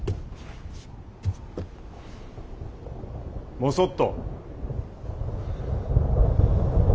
もそっと。